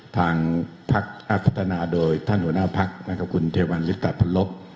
ทางพรรคอธนาโดยท่านหัวหน้าพรรคคุณเทวัณฤทธาพลพ